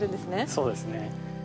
そうですね。